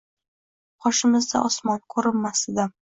Boshimizda osmon, ko’rinmasdi dim